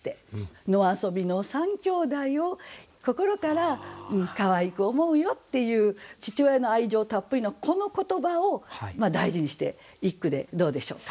「野遊びの三兄弟を心からかわいく思うよ」っていう父親の愛情たっぷりのこの言葉を大事にして一句でどうでしょうか。